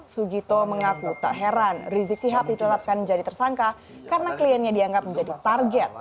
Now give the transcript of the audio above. sugito mengaku tak heran rizik sihab ditetapkan menjadi tersangka karena kliennya dianggap menjadi target